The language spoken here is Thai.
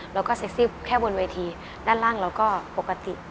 เราก็เซ็กซี่แค่บนวันที่ด้านล่างเราก็ปกติ